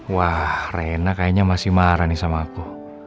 wah rena kayaknya masih marah nih sama aku